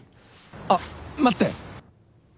あっ待って！